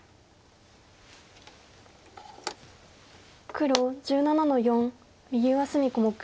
黒１７の四右上隅小目。